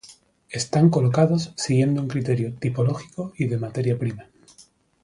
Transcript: Están colocados siguiendo un criterio tipológico y de materia prima.